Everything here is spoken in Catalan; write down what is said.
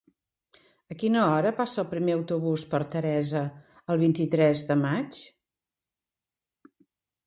A quina hora passa el primer autobús per Teresa el vint-i-tres de maig?